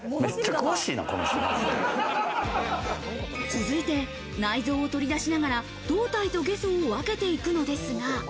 続いて内臓を取り出しながら胴体とゲソを分けていくのですが。